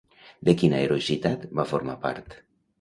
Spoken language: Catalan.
De quina heroïcitat va formar part?